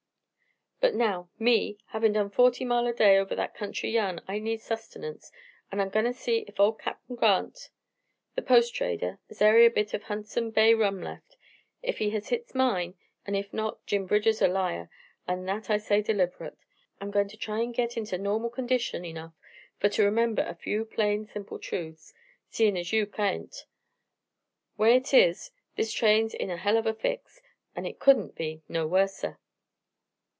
"But now, me, havin' did forty mile a day over that country yan, I need sustenance, an' I'm goin' to see ef ol' Cap' Grant, the post trader, has ary bit o' Hundson Bay rum left. Ef he has hit's mine, an' ef not, Jim Bridger's a liar, an' that I say deliberate. I'm goin' to try to git inter normal condition enough fer to remember a few plain, simple truths, seein' as you all kain't. Way hit is, this train's in a hell of a fix, an' hit couldn't be no worser."